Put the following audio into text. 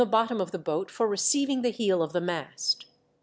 503 bottom of the boat for receiving the heel of the mast.